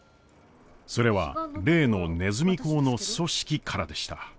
それは例のねずみ講の組織からでした。